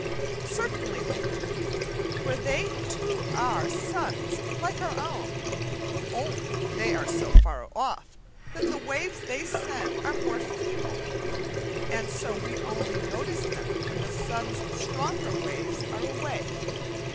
Certainly they do, for they too are suns like our own, only they are so far off that the waves they send are more feeble, and so we only notice them when the sun's stronger waves are away.